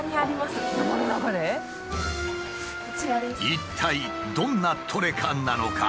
一体どんなトレカなのか？